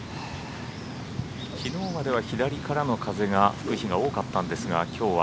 きのうまでは左からの風が吹く日が多かったんですがきょうは。